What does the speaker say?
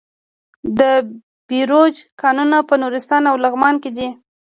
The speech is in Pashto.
د بیروج کانونه په نورستان او لغمان کې دي.